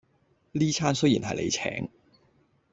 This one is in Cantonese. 呢餐雖然係你請